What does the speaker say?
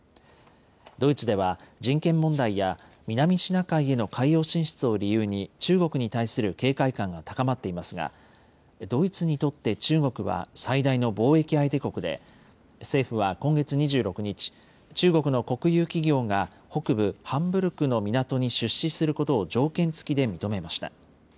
ドイツでは人権問題や南シナ海への海洋進出を理由に、中国に対する警戒感が高まっていますが、ドイツにとって中国は最大の貿易相手国で、政府は今月２６日、中国の国有企業が北部ハンブルクの港に出資することを条件付きで認めました。